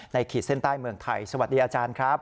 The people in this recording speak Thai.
ขีดเส้นใต้เมืองไทยสวัสดีอาจารย์ครับ